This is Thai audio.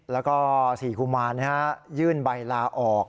แล้วก็๔กุมารยื่นใบลาออก